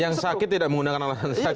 yang sakit tidak menggunakan alasan sakit